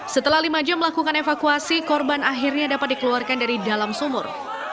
setelah lima jam melakukan evakuasi korban akhirnya dapat dikeluarkan dari dalam sumur